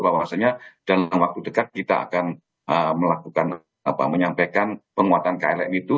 bahwasanya dalam waktu dekat kita akan melakukan apa menyampaikan penguatan kln itu